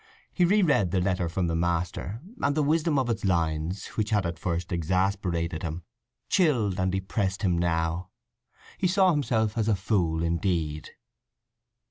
He re read the letter from the master, and the wisdom in its lines, which had at first exasperated him, chilled and depressed him now. He saw himself as a fool indeed.